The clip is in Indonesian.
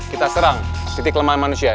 kita serang titik lemah manusia